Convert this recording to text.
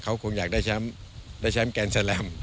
เขาคงอยากได้แชมป์แกนแสลม